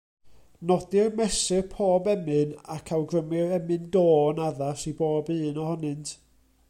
Nodir mesur pob emyn, ac awgrymir emyn-dôn addas i bob un ohonynt.